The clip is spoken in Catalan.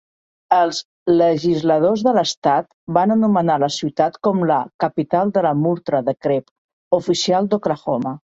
Els legisladors de l"estat van anomenar la ciutat com la "capital de la murta de crep" oficial d"Oklahoma.